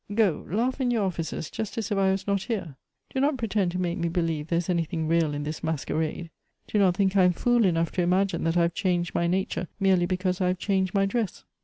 Go, laugh in your offices just as if I was not here ! Do not pretend to make me believe there is any thing real in this masquerade ! Do not think I am fool enough to imagine that I have changed my nature merely be : cause I have changed my dress